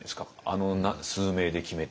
あの数名で決めて。